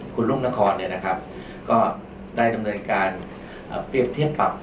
คุณรุ่งนครเนี่ยนะครับก็ได้ดำเนินการเอ่อเปรียบเทียบปรับ